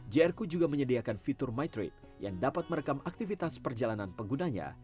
crq juga menyediakan fitur mytrade yang dapat merekam aktivitas perjalanan penggunanya